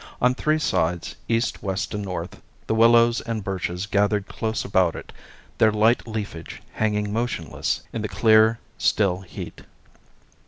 On three sides, east, west, and north, the willows and birches gathered close about it, their light leafage hanging motionless in the clear, still heat.